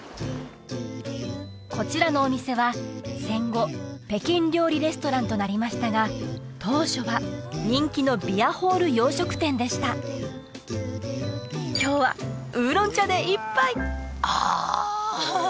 こちらのお店は戦後北京料理レストランとなりましたが当初は人気のビアホール洋食店でした今日はウーロン茶で一杯あ！